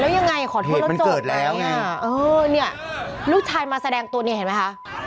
แล้วยังไงขอโทษแล้วจบแล้วอ่ะเออเนี่ยลูกชายมาแสดงตัวเนี่ยเห็นไหมคะ